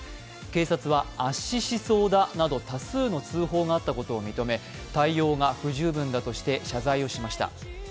警察は、圧死しそうだなど多数の通報があったことを認め対応が不十分だとして謝罪をしました。